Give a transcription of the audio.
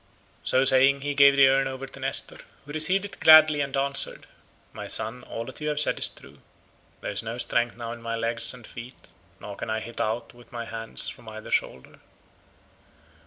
So saying he gave the urn over to Nestor, who received it gladly and answered, "My son, all that you have said is true; there is no strength now in my legs and feet, nor can I hit out with my hands from either shoulder.